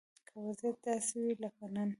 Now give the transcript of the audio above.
که وضيعت داسې وي لکه نن